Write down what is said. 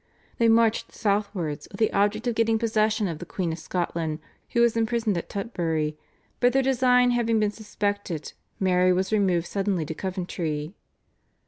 They marched southwards with the object of getting possession of the Queen of Scotland who was imprisoned at Tutbury, but their design having been suspected Mary was removed suddenly to Coventry.